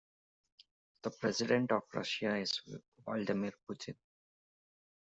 The president of Russia is Vladimir Putin.